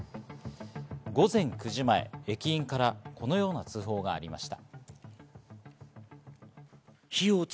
午前９時前、駅員からこのような通報がありました。